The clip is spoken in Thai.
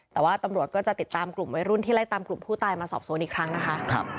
แต่ว่าตำรวจก็จะติดตามกลุ่มวัยรุ่นที่ไล่ตามกลุ่มผู้ตายมาสอบสวนอีกครั้งนะคะ